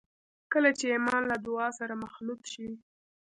کله چې ایمان له دعا سره مخلوط شي